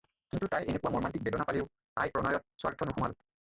কিন্তু তাই এনেকুৱা মৰ্মান্তিক বেদনা পালেও তাইৰ প্ৰণয়ত স্বাৰ্থ নোসোমাল।